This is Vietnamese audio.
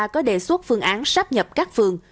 có đề xuất phương án sắp nhập các phường